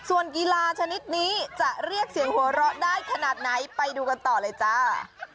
ส่วนกีฬาชนิดนี้จะเรียกเสียงหัวเราะได้ขนาดไหนไปดูกันต่อเลยจ้า